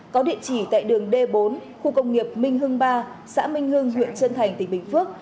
có địa chỉ tại đường d bốn khu công nghiệp minh hưng ba xã minh hưng huyện trân thành tỉnh bình phước